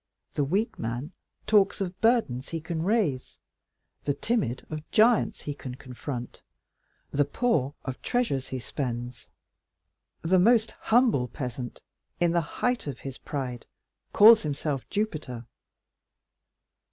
The weak man talks of burdens he can raise, the timid of giants he can confront, the poor of treasures he spends, the most humble peasant, in the height of his pride, calls himself Jupiter.